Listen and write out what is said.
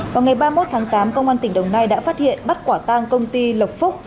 vào ngày ba mươi một tháng tám công an tỉnh đồng nai đã phát hiện bắt quả tang công ty lộc phúc